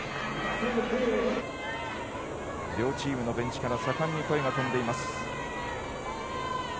両チームのベンチから盛んに声が飛んでいます。